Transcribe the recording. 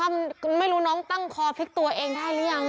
ไม่รู้น้องตั้งคอพลิกตัวเองได้หรือยัง